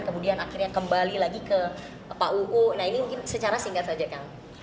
kemudian akhirnya kembali lagi ke pak uu nah ini mungkin secara singkat saja kang